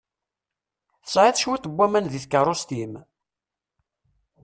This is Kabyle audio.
Tesɛiḍ cwiṭ n waman deg tkeṛṛust-im?